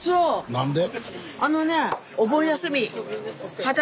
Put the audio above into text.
何で？